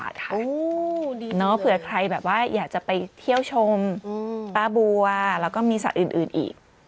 เผื่อใครแบบว่าอยากจะไปเที่ยวชมป้าบัวแล้วก็มีสัตว์อื่นอีก